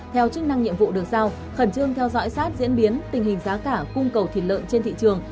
theo chức năng nhiệm vụ được giao khẩn trương theo dõi sát diễn biến tình hình giá cả cung cầu thịt lợn trên thị trường